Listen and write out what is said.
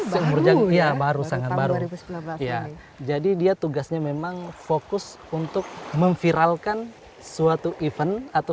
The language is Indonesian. seumur jadi ya baru sangat baru ya jadi dia tugasnya memang fokus untuk memviralkan suatu event atau